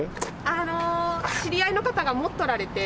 あの知り合いの方が持っておられて。